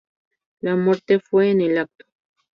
La muerte fue en el acto.